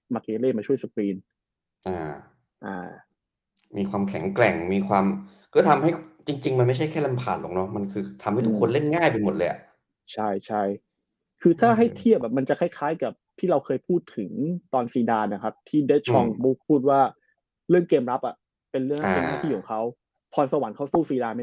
พรสวรรค์เขาสู้ซีลานไม่ได้เดี๋ยวเล่นกองแดบอะไร